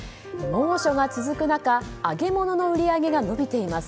猛暑が続く中揚げ物の売り上げが伸びています。